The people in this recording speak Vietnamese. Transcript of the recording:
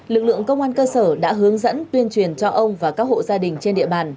lực lượng công an cơ sở đã hướng dẫn tuyên truyền cho ông và các hộ gia đình trên địa bàn